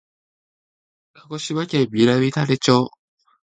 鹿児島県南種子町